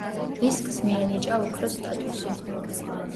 დისკს მიენიჭა ოქროს სტატუსი.